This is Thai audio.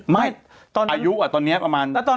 ไม่ตอนอายุตอนนี้ประมาณ